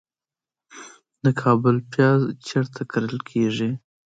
د کابل پیاز چیرته کرل کیږي؟